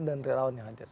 dan relawan yang hadir